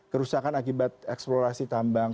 kerusakan akibat eksplorasi tambang